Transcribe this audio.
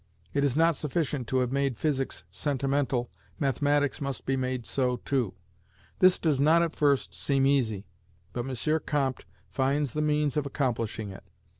It is not sufficient to have made physics sentimental, mathematics must be made so too. This does not at first seem easy; but M. Comte finds the means of accomplishing it.